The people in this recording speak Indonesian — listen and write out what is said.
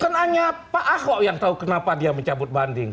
bukan hanya pak ahok yang tahu kenapa dia mencabut banding